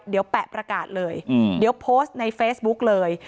เดี๋ยวแปะประกาศเลยเดี๋ยวโพสต์ในเฟซบุ๊กเลย